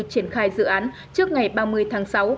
triển khai dự án trước ngày ba mươi tháng sáu